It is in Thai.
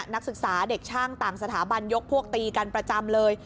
นักศึกษาเด็กช่างต่างสถาบันยกพวกตีกันประจำเลย